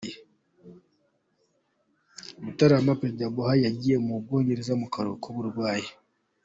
Mutarama: Perezida Buhari yagiye mu Bwongereza mu karuhuko k’ uburwayi.